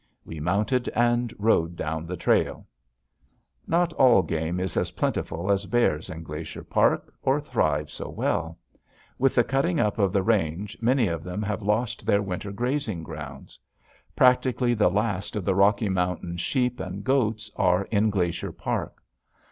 We mounted and rode down the trail. Not all game is as plentiful as bears in Glacier Park or thrives so well. With the cutting up of the range many of them have lost their winter grazing grounds. Practically the last of the Rocky Mountain sheep and goats are in Glacier Park.